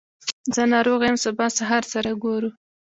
نن ناروغه يم سبا سهار سره ګورو